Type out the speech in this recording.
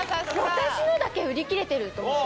私のだけ売り切れてると思って。